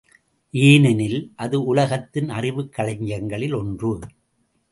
ஏனெனில், அது உலகத்தின் அறிவுக் களஞ்சியங்களில் ஒன்று.